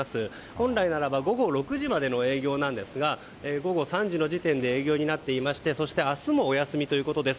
本来ならば午後６時までの営業なんですが午後３時の時点で休業になっていましてそして、明日もお休みということです。